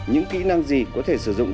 những kỹ năng gì có thể sử dụng